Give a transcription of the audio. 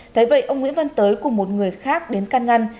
thế vậy ông nguyễn văn tới cùng một người khác đến can ngăn